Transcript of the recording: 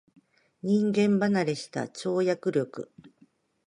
人間離れした跳躍力